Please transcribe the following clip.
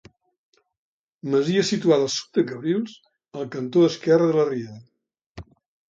Masia situada al sud de Cabrils al cantó esquerre de la riera.